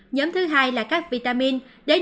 nhóm thứ hai là các vitamin